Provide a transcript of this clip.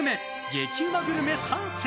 激うまグルメ３選。